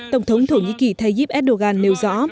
tổng thống thổ nhĩ kỳ tayyip erdogan nêu rõ